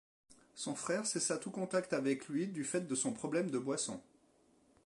Son frère cessa tout contact avec lui du fait de son problème de boisson.